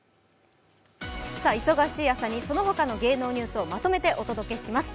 忙しい朝に、そのほかの芸能ニュースをまとめてお伝えします。